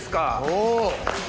お！